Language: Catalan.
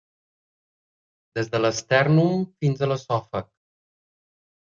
Des de l'estèrnum fins a l'esòfag.